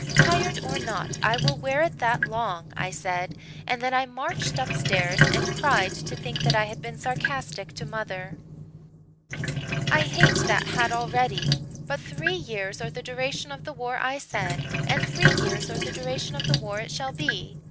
"'Tired or not, I will wear it that long,' I said: and then I marched upstairs and cried to think that I had been sarcastic to mother. "I hate that hat already. But three years or the duration of the war, I said, and three years or the duration of the war it shall be.